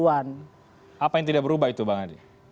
apa yang tidak berubah itu pak andi